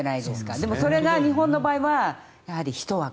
でもそれが日本の場合はやはり１枠。